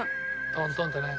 トントンとね。